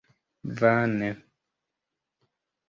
Vane.